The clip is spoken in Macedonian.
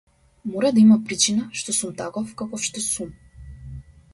Мора да има причина што сум таков каков што сум.